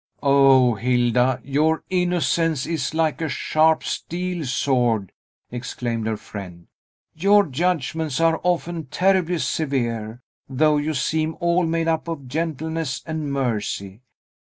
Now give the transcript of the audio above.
"O Hilda, your innocence is like a sharp steel sword!" exclaimed her friend. "Your judgments are often terribly severe, though you seem all made up of gentleness and mercy.